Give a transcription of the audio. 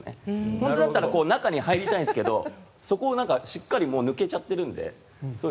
本当だったら中に入りたいんですけどそこをしっかり抜けちゃってるので。